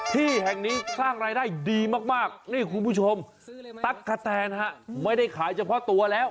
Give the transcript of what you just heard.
ที่แห่งนี้สร้างรายได้ดีมากนี่คุณผู้ชมตั๊กกะแตนฮะไม่ได้ขายเฉพาะตัวแล้ว